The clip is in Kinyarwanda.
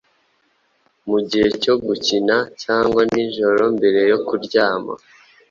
mu gihe cyo gukina, cyangwa nijoro mbere yo kuryama.